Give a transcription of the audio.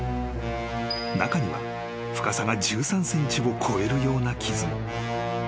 ［中には深さが１３ｃｍを超えるような傷も］